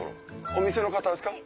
お店の方ですか？